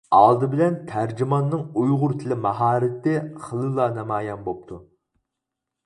ئالدى بىلەن تەرجىماننىڭ ئۇيغۇر تىلى ماھارىتى خېلىلا نامايان بوپتۇ.